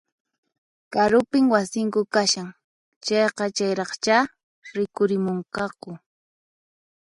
Karupin wasinku kashan, chayqa chayraqchá rikurimunqaku